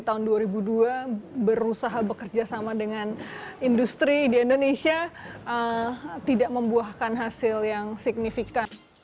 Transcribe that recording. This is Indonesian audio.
tahun dua ribu dua berusaha bekerja sama dengan industri di indonesia tidak membuahkan hasil yang signifikan